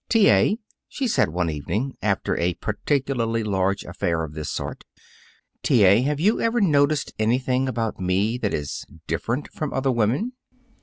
"T. A.," she said one evening, after a particularly large affair of this sort, "T. A., have you ever noticed anything about me that is different from other women?"